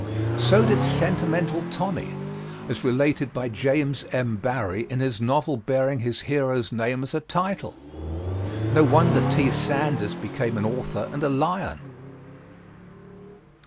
So did Sentimental Tommy, as related by James M. Barrie in his novel bearing his hero's name as a title. No wonder T. Sandys became an author and a lion!